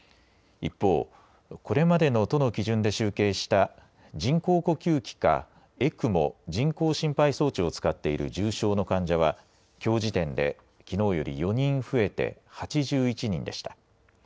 一方、これまでの都の基準で集計した人工呼吸器か、ＥＣＭＯ・人工心肺装置を使っている重症の患者は、きょう時点できのうより４人増えて、８１人でした。